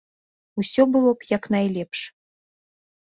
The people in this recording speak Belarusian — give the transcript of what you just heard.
Усё было б як найлепш.